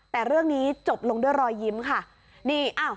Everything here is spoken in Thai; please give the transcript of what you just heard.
แต่เรื่องนี้จบลงด้วยรอยยิ้มค่ะ